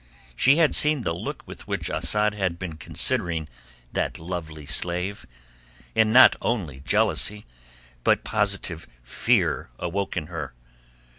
She had seen the look with which Asad had been considering that lovely slave, and not only jealousy but positive fear awoke in her.